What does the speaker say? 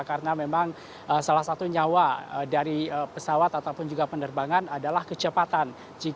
karena memang salah satu nyawa dari pesawat ataupun juga penerbangan adalah kecepatan